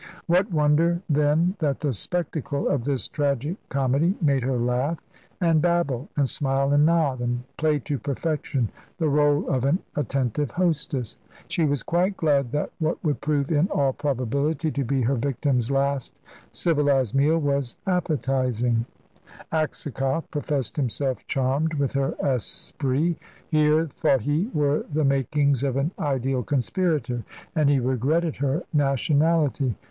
What wonder, then, that the spectacle of this tragic comedy made her laugh and babble, and smile and nod, and play to perfection the rôle of an attentive hostess. She was quite glad that what would prove in all probability to be her victim's last civilised meal was appetising. Aksakoff professed himself charmed with her esprit. Here, thought he, were the makings of an ideal conspirator, and he regretted her nationality.